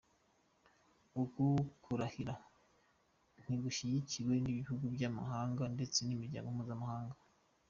Uku kurahira ntigushyigikiwe n’ibihugu by’amahanga ndetse n’imiryango mpuzamahanga.